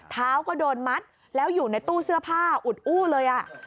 เท้าก็โดนมัดแล้วอยู่ในตู้เสื้อผ้าอุดอู้เลย